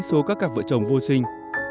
số các cặp vợ chồng vô sinh